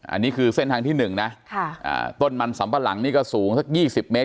อันนี้คือเส้นทางที่๑นะต้นมันสำปะหลังนี่ก็สูงสักยี่สิบเมตร